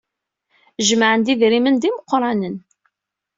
Jemɛen-d idrimen d imeqranen.